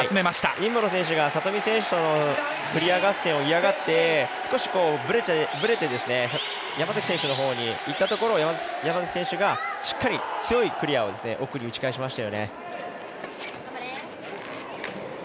尹夢ろ選手が里見選手とのクリア合戦を嫌がって、少しぶれて山崎選手のほうにいったところを山崎選手がしっかり、強いクリアを奥に打ち返しました。